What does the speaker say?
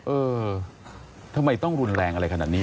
เออทำไมต้องรุนแรงอะไรขนาดนี้